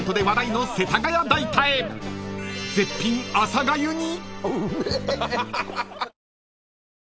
［絶品朝がゆに］